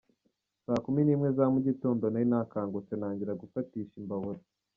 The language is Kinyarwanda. Saa kumi n’imwe za mu gitondo nari nakangutse ntangira gufatisha imbabura.